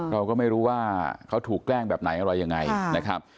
เราก็ไม่รู้ว่าเขาถูกแกล้งแบบไหนอะไรยังไงนะครับ